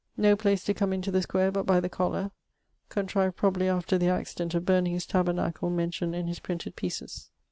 No place to come into the square but by the collar, contrived probably after the accident of burning his tabernacle mentioned in his printed pieces.